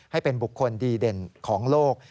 ให้เป็นบุคคลดีเด่นของโลก